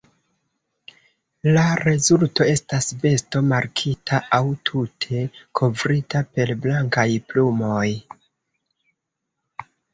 La rezulto estas besto markita, aŭ tute kovrita per blankaj plumoj.